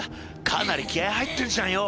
かなり気合入ってんじゃんよ